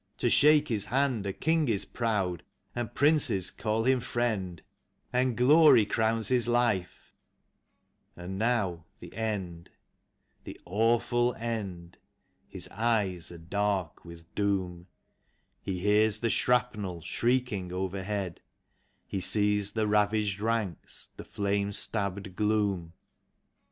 To shake his hand A King is proud, and princes call him friend, And glory crowns his life — and now the end, The awful end. His eyes are dark with doom; He hears the shrapnel shrieking overhead; He sees the ravaged ranks, the flame stabbed gloom.